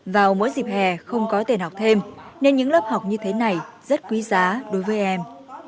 vào mỗi dịp hè không có tiền học thêm nên những lớp học như thế này rất quý giá đối với em